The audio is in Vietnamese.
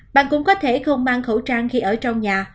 bạn cũng có thể không mang khẩu trang khi ở trong nhà